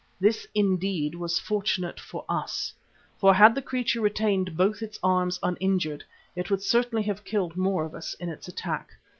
This, indeed, was fortunate for us, for had the creature retained both its arms uninjured, it would certainly have killed more of us in its attack.